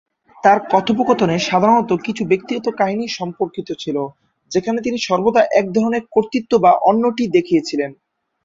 তার কথোপকথনে সাধারণত কিছু ব্যক্তিগত কাহিনী সম্পর্কিত ছিল, যেখানে তিনি সর্বদা এক ধরনের কর্তৃত্ব বা অন্যটি "দেখিয়েছিলেন"।